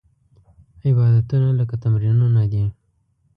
عبادتونه لکه تمرینونه دي.